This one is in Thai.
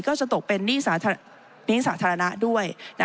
ก็จะตกเป็นหนี้สาธารณะด้วย